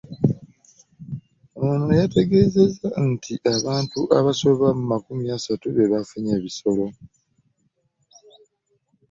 Ono yategeezezza nti abantu abasoba mu makumi asatu be baafunye ebisago